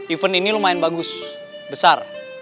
event ini lumayan bagus besar